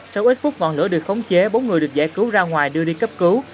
sau ít phút ngọn lửa được khống chế bốn người được giải cứu ra ngoài đưa đi cấp cứu